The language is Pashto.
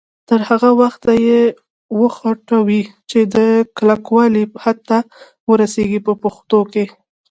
تر هغه وخته یې وخوټوئ چې د کلکوالي حد ته ورسیږي په پښتو کې.